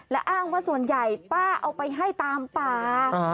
และอ้างว่าส่วนใหญ่ป้าเอาไปให้ตามป่า